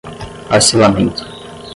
parcelamento